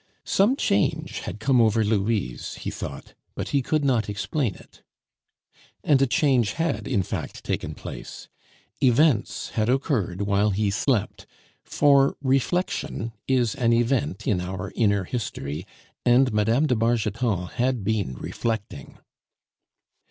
Some change had come over Louise, he thought, but he could not explain it. And a change had, in fact, taken place. Events had occurred while he slept; for reflection is an event in our inner history, and Mme. de Bargeton had been reflecting.